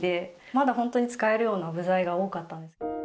まだホントに使えるような部材が多かったんです。